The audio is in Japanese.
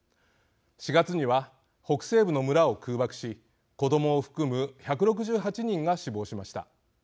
４月には北西部の村を空爆し子どもを含む１６８人が死亡しました。